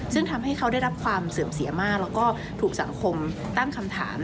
ซึ่งทำให้เขาได้รับความเสื่อมเสียมากแล้วก็ถูกสังคมตั้งคำถาม